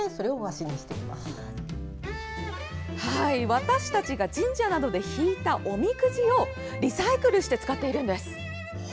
私たちが神社などで引いたおみくじをリサイクルして使っています。